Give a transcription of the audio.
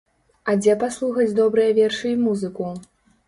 А дзе паслухаць добрыя вершы і музыку?